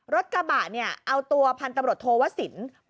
รถกระบะเอาตัวพันธุ์ตำรวจโทวศิลป์